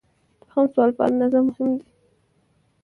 دوهم سوال په اندازه مهم دی.